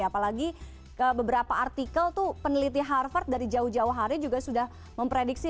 apalagi beberapa artikel tuh peneliti harvard dari jauh jauh hari juga sudah memprediksi